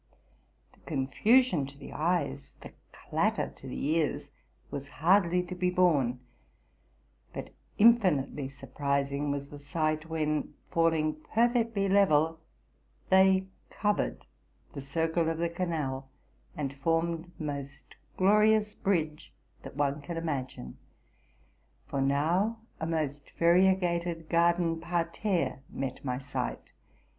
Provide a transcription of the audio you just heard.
The confusion to the eyes, the clatter to the ears, was hardly to be borne ; but infinitely surprising was the sight, when, falling perfectly level, they covered the circle of the canal, and formed the most glorious bridge that one can imagine. For now a most variegated garden parterre met my sight.